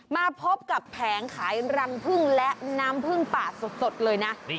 มาพบกับแผงขายรังพึ่งและน้ำพึ่งป่าสดเลยนะ